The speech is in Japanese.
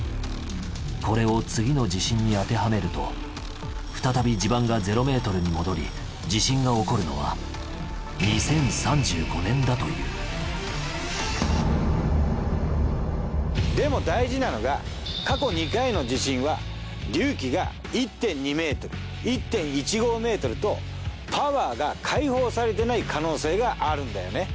これを次の地震に当てはめると再び地盤が０ｍに戻り地震が起こるのはでも大事なのが過去２回の地震は隆起が１．２ｍ１．１５ｍとパワーが解放されていない可能性があるんだよね。